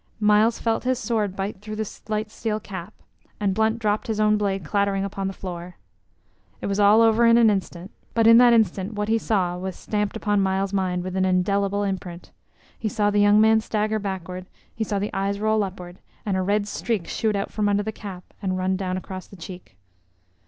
Myles felt his sword bite through the light steel cap, and Blunt dropped his own blade clattering upon the floor. It was all over in an instant, but in that instant what he saw was stamped upon Myles's mind with an indelible imprint. He saw the young man stagger backward; he saw the eyes roll upward; and a red streak shoot out from under the cap and run down across the cheek.